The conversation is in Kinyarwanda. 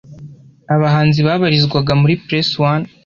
abahanzi babarizwaga muri Press One